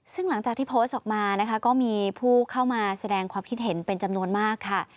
ซึ่งหลังจากที่โพสต์ออกมานะคะก็มีผู้เข้ามาแสดงความคิดเห็นเป็นจำนวนมากค่ะ